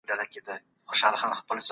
تاسو به د ژوند له هري ازموینې بریا مومئ.